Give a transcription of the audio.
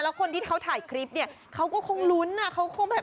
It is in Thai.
แล้วคนที่เขาถ่ายคลิปนี่เขาก็คงล้วนนะ